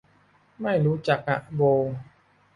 ไม่รู้จักอ่ะ โบ